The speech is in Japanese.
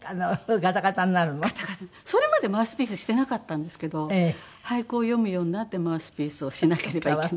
それまでマウスピースしてなかったんですけど俳句を詠むようになってマウスピースをしなければいけない。